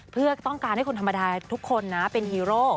เพื่อต้องการให้คนธรรมดาทุกคนนะเป็นฮีโร่